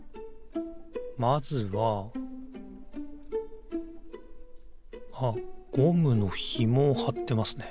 まずはあっゴムのひもをはってますね。